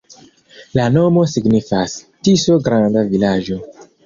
La nomo signifas: Tiso-granda-vilaĝo.